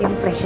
yang fresh ya